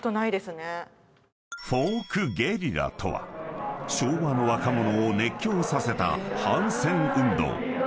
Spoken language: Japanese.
［フォークゲリラとは昭和の若者を熱狂させた反戦運動］